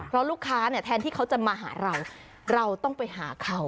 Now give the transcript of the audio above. เพราะลูกค้าเนี่ยแทนที่เขาจะมาหาเราเราต้องไปหาเขา